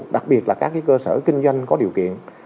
đặc biệt là các cơ sở kinh doanh có điều kiện